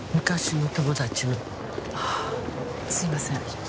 あっすいません。